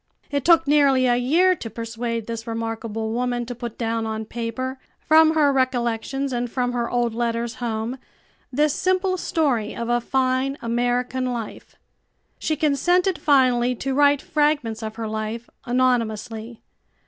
It took nearly a year to persuade this remarkable woman to put down on paper, from her recollections and from her old letters home, this simple story of a fine American life. She consented finally to write fragments of her life, anonymously.